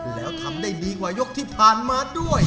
แล้วทำได้ดีกว่ายกที่ผ่านมาด้วย